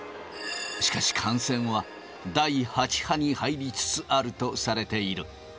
しかし、感染は第８波に入りつつあるとされている。